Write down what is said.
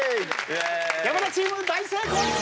山田チーム大成功！